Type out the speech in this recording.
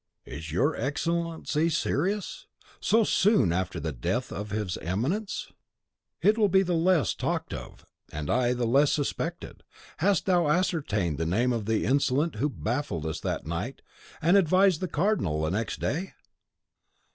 "Is your Excellency serious? So soon after the death of his Eminence?" "It will be the less talked of, and I the less suspected. Hast thou ascertained the name of the insolent who baffled us that night, and advised the Cardinal the next day?"